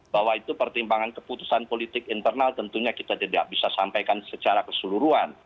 bahwa itu pertimbangan keputusan politik internal tentunya kita tidak bisa sampaikan secara keseluruhan